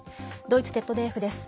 ドイツＺＤＦです。